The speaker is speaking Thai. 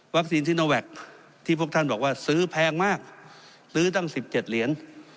วัคซีนทิโนแวคที่พวกท่านบอกว่าซื้อแพงมากซื้อตั้งสิบเจ็ดเหรียญ